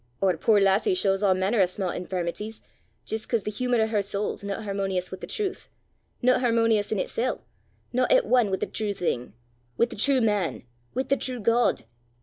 Oor puir lassie shaws a' mainner o' sma' infirmities jist 'cause the humour o' her sowl 's no hermonious wi' the trowth, no hermonious in itsel', no at ane wi' the true thing wi' the true man wi' the true God.